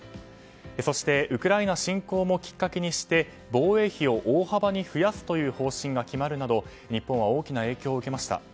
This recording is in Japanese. そしてウクライナ侵攻もきっかけにして防衛費を大幅に増やすという方針が決まるなど日本は大きな影響を受けました。